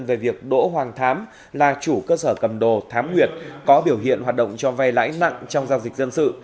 về việc đỗ hoàng thám là chủ cơ sở cầm đồ thám nguyệt có biểu hiện hoạt động cho vay lãi nặng trong giao dịch dân sự